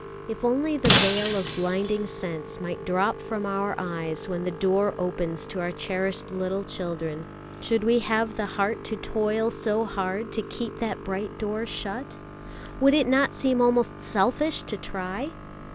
If only the veil of blinding sense might drop from our eyes when the door opens to our cherished little children, should we have the heart to toil so hard to keep that bright door shut? Would it not seem almost selfish to try?